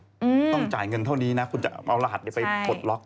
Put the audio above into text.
ต้องจ่ายเงินเท่านี้นะคุณจะเอารหัสไปโผล็ค